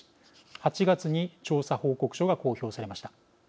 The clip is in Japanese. ８月に調査報告書が公表されました。